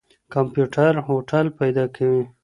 کمپيوټر هوټل پيدا کوي.